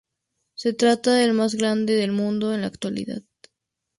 Se trata del más grande del mundo en la actualidad.